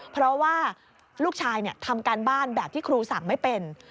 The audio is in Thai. เพราะว่าลูกชายทำการบ้านแบบที่ครูสั่งไม่เป็น